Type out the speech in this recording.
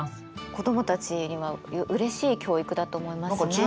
子どもたちにはうれしい教育だと思いますね。